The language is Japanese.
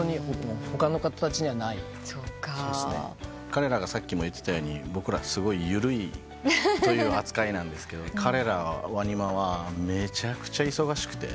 彼らがさっきも言ってたように僕らすごいゆるいという扱いなんですけど彼らＷＡＮＩＭＡはめちゃくちゃ忙しくて。